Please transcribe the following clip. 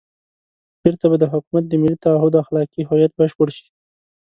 بېرته به د حکومت د ملي تعهُد اخلاقي هویت بشپړ شي.